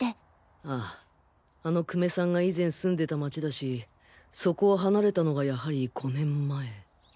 あああの久米さんが以前住んでた街だしそこを離れたのがやはり５年前。